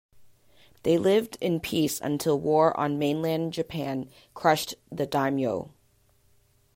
They lived in peace until war on mainland Japan crushed the Daimyo.